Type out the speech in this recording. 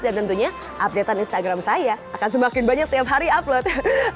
dan tentunya update an instagram saya akan semakin banyak dan lebih banyak dari anda semua yang sudah menonton video ini